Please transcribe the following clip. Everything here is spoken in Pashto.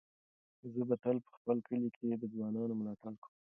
زه به تل په خپل کلي کې د ځوانانو ملاتړ کوم.